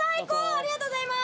ありがとうございます